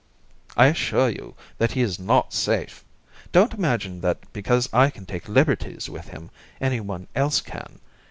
"I assure you that he is not safe. Don't imagine that because I can take liberties with him anyone else can.